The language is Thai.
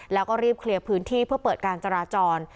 แล้วก็รีบเคลียร์พื้นที่เพื่อเปิดการจราจร